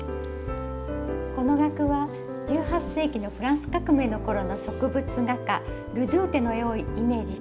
この額は１８世紀のフランス革命の頃の植物画家ルドゥーテの絵をイメージして制作しました。